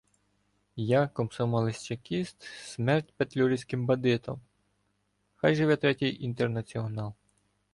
— Я - комсомолець-чекіст! Смерть петлюрівським бандитам! Хай живе Третій Інтернаціонал!